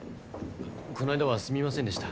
この間はすみませんでした。